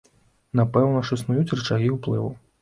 Напэўна ж існуюць рычагі ўплыву.